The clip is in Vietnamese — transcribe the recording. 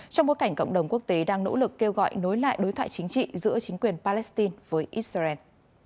trong bối cảnh cộng đồng quốc tế đang nỗ lực kêu gọi nối lại đối thoại chính trị giữa chính quyền palestine với israel